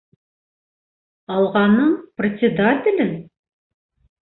«Алға»ның председателен?